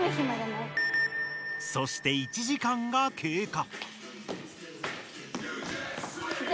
そして１時間がけいか。